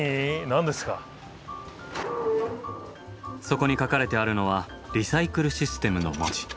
そこに書かれてあるのはリサイクルシステムの文字。